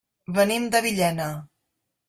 Venim de Villena.